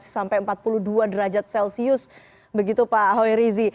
sampai empat puluh dua derajat celcius begitu pak hoerizi